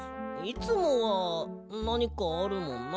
いつもはなにかあるもんな。